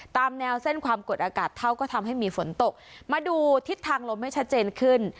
ตามแนวเส้นความกดอากาศเท่าก็ทำให้มีฝนตกมาดูทิศทางลมให้ชัดเจนขึ้น